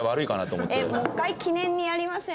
もう一回記念にやりません？